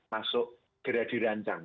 masuk gerak dirancang